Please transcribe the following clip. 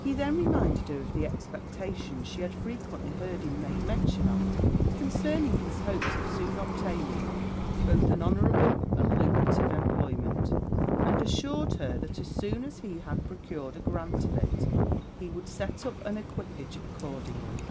He then reminded her of the expectations she had frequently heard him make mention of, concerning his hopes of soon obtaining both an honourable and lucrative employment; and assured her, that as soon as he had procured a grant of it, he would set up an equipage accordingly.